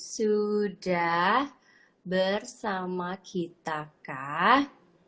sudah bersama kitakah